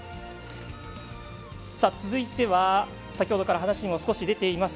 続いては、先ほどから話にも少し出ています